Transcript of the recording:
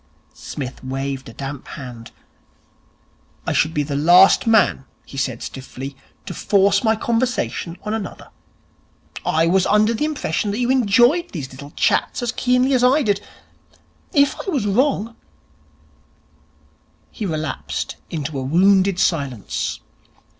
Psmith waved a damp hand. 'I should be the last man,' he said stiffly, 'to force my conversation on another. I was under the impression that you enjoyed these little chats as keenly as I did. If I was wrong ' He relapsed into a wounded silence.